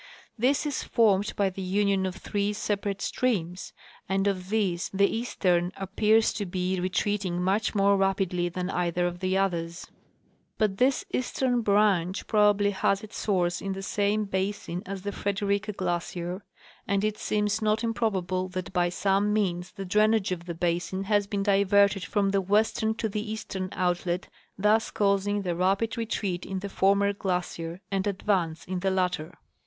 This is formed by the union of three separate streams, and of 154 C. W. Hayes — Expedition through the Yukon District. these the eastern appears to be retreating much more rapidly than either of the others ; but this eastern branch probably has its source in the same basin as the Frederika glacier, and it seems not improbable that by some means the drainage of the basin has been diverted from the western to the eastern outlet, thus causing the rapid retreat in the former glacier and advance in the latter.